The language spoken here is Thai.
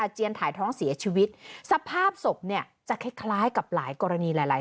ถ่ายท้องเสียชีวิตสภาพศพเนี่ยจะคล้ายกับหลายกรณีหลายหลาย